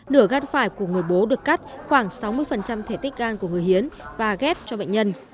nửa gan phải của người bố được cắt khoảng sáu mươi thể tích gan của người hiến và ghép cho bệnh nhân